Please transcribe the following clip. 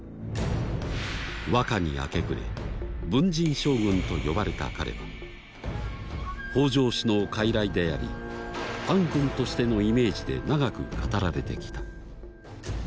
和歌に明け暮れ文人将軍と呼ばれた彼は北条氏の傀儡であり暗君としてのイメージで長く語られてきた。